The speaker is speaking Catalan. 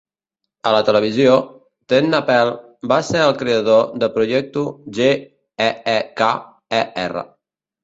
A la televisió, TenNapel va ser el creador de proyecto G.e.e.K.e.R.